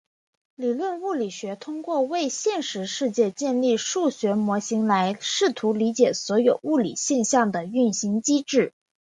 理论物理学通过为现实世界建立数学模型来试图理解所有物理现象的运行机制。